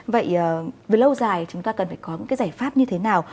vậy về lâu dài chúng ta cần phải có những cái giải pháp như thế nào